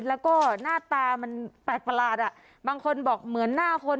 แล้วก็หน้าตามันแปลกประหลาดอ่ะบางคนบอกเหมือนหน้าคน